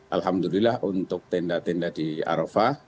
alhamdulillah untuk tenda tenda di arafah